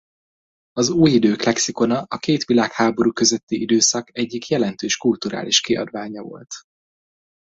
Az Uj Idők lexikona a két világháború közötti időszak egyik jelentős kulturális kiadványa volt.